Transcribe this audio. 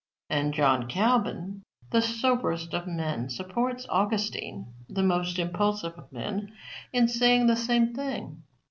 And John Calvin, the soberest of men, supports Augustine, the most impulsive of men, in saying the same thing.